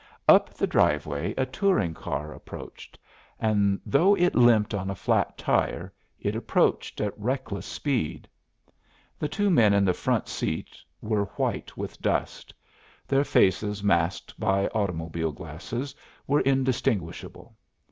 Up the driveway a touring car approached, and though it limped on a flat tire, it approached at reckless speed. The two men in the front seat were white with dust; their faces, masked by automobile glasses, were indistinguishable.